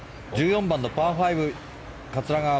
１４番のパー５、桂川。